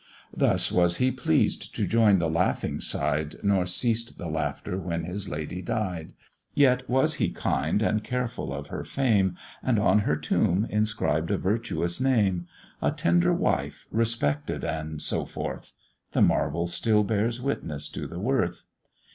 Thus was he pleased to join the laughing side, Nor ceased the laughter when his lady died; Yet was he kind and careful of her fame, And on her tomb inscribed a virtuous name; "A tender wife, respected, and so forth," The marble still bears witness to the worth.